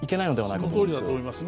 そのとおりだと思いますね。